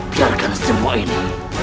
biarkan semua ini